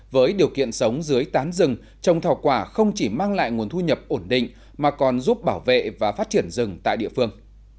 với điều kiện sống dưới tán rừng trồng thảo quả không chỉ mang lại nguồn thu nhập ổn định mà còn giúp bảo vệ và phát triển rừng tại địa phương